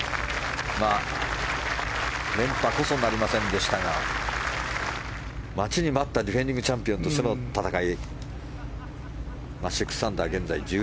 連覇こそなりませんでしたが待ちに待ったディフェンディングチャンピオンとの戦い。